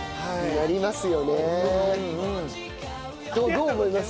どう思います？